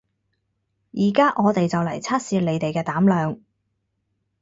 而家我哋就嚟測試你哋嘅膽量